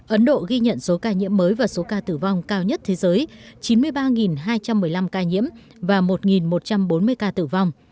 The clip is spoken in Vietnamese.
ấn độ ghi nhận số ca nhiễm mới và số ca tử vong cao nhất thế giới chín mươi ba hai trăm một mươi năm ca nhiễm và một một trăm bốn mươi ca tử vong